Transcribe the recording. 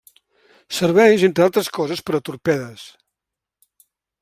Serveix entre altres coses per a torpedes.